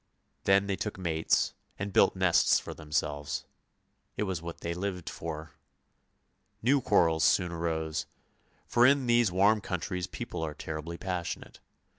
Then they took mates and built nests for them selves; it was what they lived for. New quarrels soon arose, for in these warm countries people are terribly passionate.